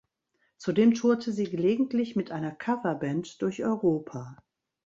Zudem tourte sie gelegentlich mit einer Coverband durch Europa.